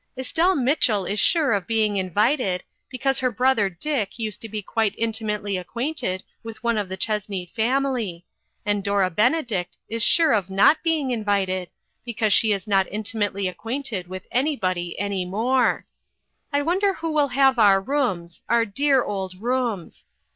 "Estelle Mitchell is sure of being invited^ because her brother Dick used to be quite intimately acquainted with one of the Chess ney family ; and Dora Benedict is sure of not being invited, because she is not inti mately acquainted with anybod} 7 any more. I wonder who will have our rooms our dear old rooms